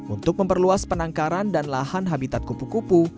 untuk memperluas penangkaran dan lahan habitat kupu kupu